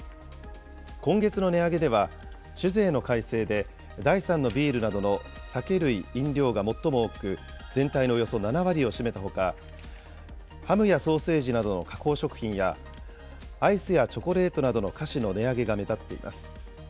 今月の値上げでは、酒税の改正で第３のビールなどの酒類・飲料が最も多く、全体のおよそ７割を占めたほか、ハムやソーセージなどの加工食品やアイスやチョコレートなどの菓子の値上げが目立っています。